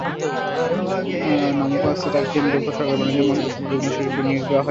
নামকাওয়াস্তে তাঁকে কেন্দ্রীয় সরকারের বাণিজ্য মন্ত্রণালয়ে যুগ্ম সচিব হিসেবে নিয়োগ দেওয়া হয়।